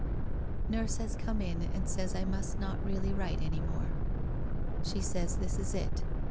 Nurse has come in and says I must not really write any more She says this is it.